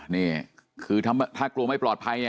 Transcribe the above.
นี่คือถ้ากลัวไม่ปลอดภัย